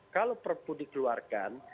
kalau perpu dikeluarkan